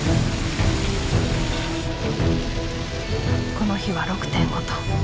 この日は６．５トン。